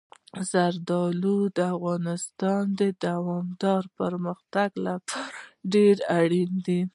زردالو د افغانستان د دوامداره پرمختګ لپاره ډېر اړین دي.